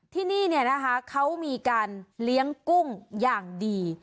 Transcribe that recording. ที่นี่เนี่ยนะคะเขามีการเลี้ยงกุ้งอย่างดี